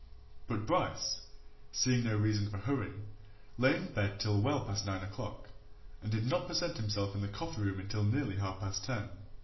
But Bryce, seeing no reason for hurry, lay in bed till well past nine o'clock, and did not present himself in the coffee room until nearly half past ten.